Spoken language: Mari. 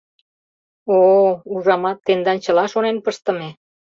— О-о, ужамат, тендан чыла шонен пыштыме!